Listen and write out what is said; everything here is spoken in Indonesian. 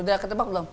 udah ke tebak belum